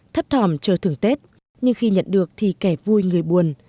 thấp thỏm chờ thường tết nhưng khi nhận được thì kẻ vui người buồn